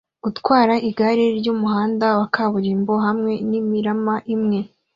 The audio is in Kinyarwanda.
gutwara igare ryumuhanda wa kaburimbo hamwe nimirima imwe